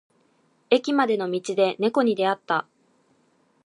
駅までの道で猫に出会った。